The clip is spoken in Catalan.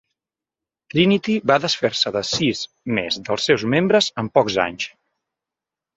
Trinity va desfer-se de sis més dels seus membres en pocs anys.